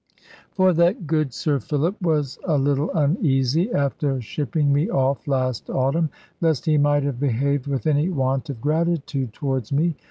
For that good Sir Philip was a little uneasy, after shipping me off last autumn, lest he might have behaved with any want of gratitude towards me.